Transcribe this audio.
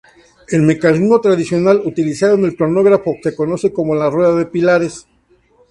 El mecanismo tradicional utilizado en el cronógrafo se conoce como la rueda de pilares.